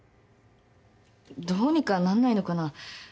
どうにかなんないのかな？